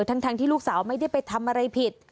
ทั้งที่ลูกสาวไม่ได้ไปทำอะไรผิด